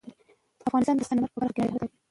افغانستان د سنگ مرمر په برخه کې نړیوال شهرت لري.